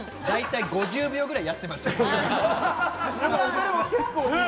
５０秒ぐらいやっていますよ。